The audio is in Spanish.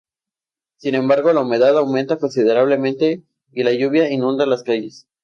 Sin embargo, la humedad aumenta considerablemente y la lluvia inunda las calles.